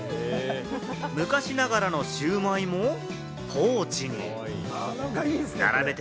昔ながらのシウマイもポーチに。